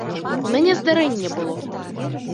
У мяне здарэнне было.